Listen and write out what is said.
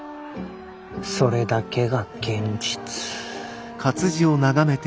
それだけが現実。